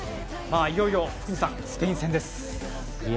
いよいよスペイン戦です。